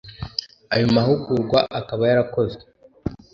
ayo mahugurwa akaba yarakozwe